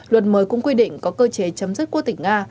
luật mới cũng quy định có cơ chế chấm dứt quốc tịch nga